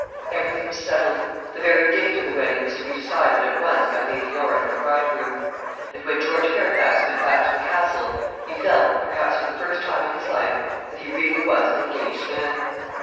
Everything was settled. The very date of the wedding was to be decided at once by Lady Laura and the bridegroom; and when George Fairfax went back to the Castle, he felt, perhaps for the first time in his life, that he really was an engaged man.